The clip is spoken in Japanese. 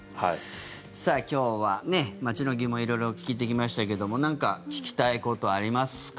さあ、今日は、街の疑問色々聞いてきましたけどなんか聞きたいことありますか？